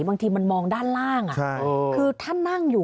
บางทีมันมองด้านล่างอะ